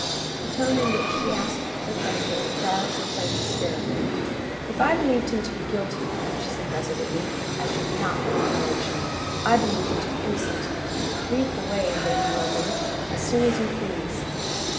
The tone in which she asked the question roused Blanche's spirit. "If I believed him to be guilty," she said, resolutely, "I should not have the courage. I believe him to be innocent. Lead the way, Lady Lundie, as soon as you please."